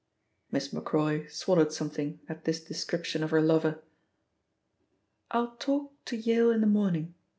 Miss Macroy swallowed something at this description of her lover. "I'll talk to Yale in the morning.